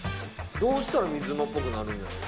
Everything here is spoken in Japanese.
どうしたら水うまっぽくなるんやろう？